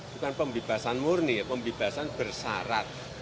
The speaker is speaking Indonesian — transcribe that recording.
bukan pembebasan murni pembebasan bersyarat